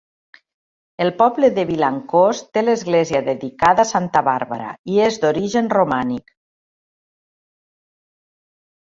El poble de Vilancòs té l'església dedicada a santa Bàrbara, i és d'origen romànic.